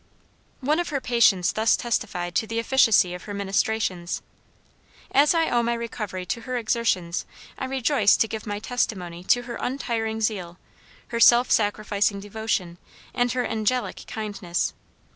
One of her patients thus testified to the efficacy of her ministrations: "As I owe my recovery to her exertions, I rejoice to give my testimony to her untiring zeal, her self sacrificing devotion, and her angelic kindness.